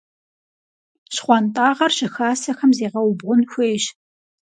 ЩхъуантӀагъэр щыхасэхэм зегъэубгъун хуейщ.